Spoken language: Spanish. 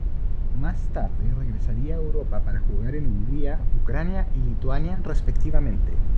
Más tarde, regresaría a Europa para jugar en Hungría, Ucrania y Lituania, respectivamente.